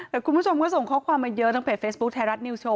แต่คุณผู้ชมก็ส่งข้อความมาเยอะทั้งเพจเฟซบุ๊คไทยรัฐนิวโชว